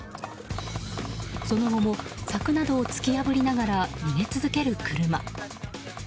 その後も柵などを突き破りながら逃げ続ける車。